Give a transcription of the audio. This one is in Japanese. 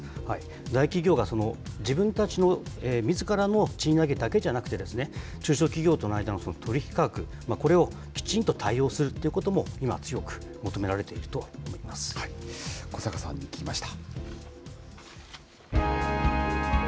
大企業が自分たちの、みずからの賃上げだけじゃなくて、中小企業との間の取り引き価格、これをきちんと対応するということも、今、小坂さんに聞きました。